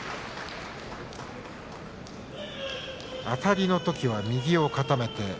あたりのときは右を固めて。